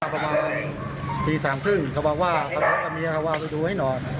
ประมาณที๓๓๐เขาบอกว่าเขากับเมียเขาบอกว่าไปดูให้หน่อย